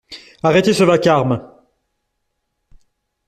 Arrêtez ce vacarme!